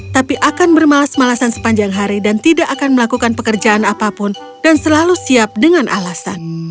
tapi akan bermalas malasan sepanjang hari dan tidak akan melakukan pekerjaan apapun dan selalu siap dengan alasan